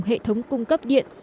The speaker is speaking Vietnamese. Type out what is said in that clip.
hệ thống cung cấp điện